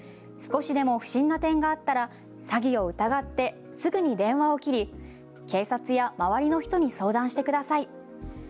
少しでも不審な点があったら詐欺を疑ってすぐに電話を切り警察や周りの人に相談してください。